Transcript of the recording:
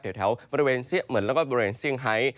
เดี๋ยวแถวบริเวณเซี๊ยะเหมือนแล้วก็บริเวณซิ่งไฮ